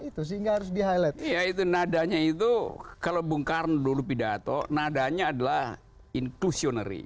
itu sehingga di hitled yaitu nadanya itu kalo bung karun dulu pidato nadanya adalah inclusionary